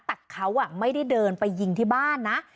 แต่เขาไม่ได้เดินไปยิงที่บ้านนะ